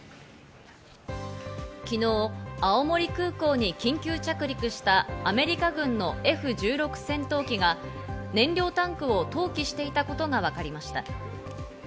昨日、青森空港に緊急着陸したアメリカ軍のＦ１６戦闘機が燃料タンクを投棄していたことがわかりました。